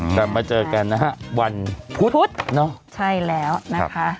กลับมาเจอกันนะฮะวันพุธเนอะใช่แล้วนะคะ